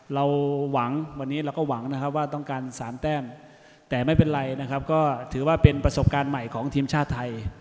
เราหวังวันนี้เราก็หวังนะครับว่าต้องการ๓แต้มแต่ไม่เป็นไรนะครับก็ถือว่าเป็นประสบการณ์ใหม่ของทีมชาติไทย